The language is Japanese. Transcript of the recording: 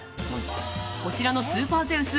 こちらのスーパーゼウス